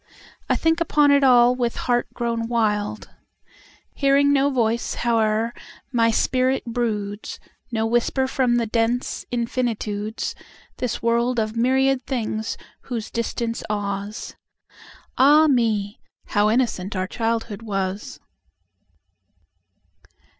I think upon it all with heart grown wild. Hearing no voice, howe'er my spirit broods, No whisper from the dense infinitudes, This world of myriad things whose distance awes. Ah me; how innocent our childhood was!